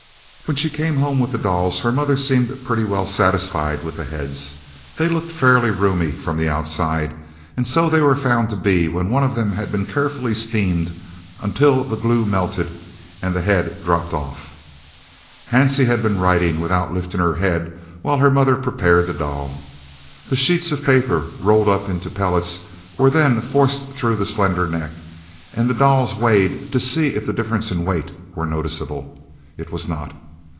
When she came home with the dolls her mother seemed pretty well satisfied with the heads; they looked fairly roomy from the outside, and so they were found to be when one of them had been carefully steamed until the glue melted and the head dropped off. Hansie had been writing, without lifting her head, while her mother prepared the doll. The sheets of paper, rolled up into pellets, were then forced through the slender neck, and the dolls weighed to see if the difference in weight were noticeable. It was not.